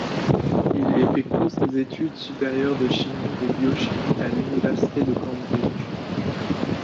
Il effectue ses études supérieures de chimie et biochimie à l'université de Cambridge.